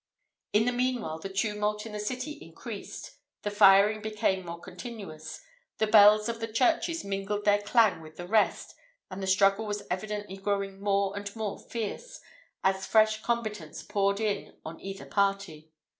In the meanwhile the tumult in the city increased, the firing became more continuous, the bells of the churches mingled their clang with the rest, and the struggle was evidently growing more and more fierce, as fresh combatants poured in on either party.